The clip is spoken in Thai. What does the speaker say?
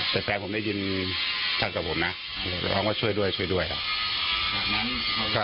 แต่แฟนผมได้ยินท่านกับผมนะร้องว่าช่วยด้วยช่วยด้วยครับ